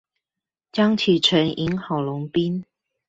江啟臣贏郝龍斌